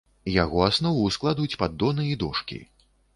Яго аснову складуць паддоны і дошкі.